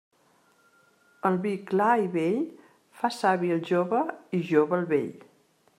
El vi clar i vell fa savi el jove i jove el vell.